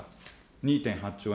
２．８兆円。